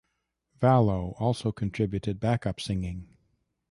Valo also contributed back up singing.